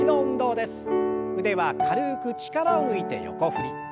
腕は軽く力を抜いて横振り。